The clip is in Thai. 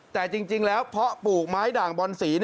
แต่จริงแล้วเพาะปลูกไม้ด่างบอนสี